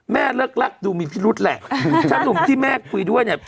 แม่เลิกลักดูมีพิรุษแหละที่แม่คุยด้วยเนี่ย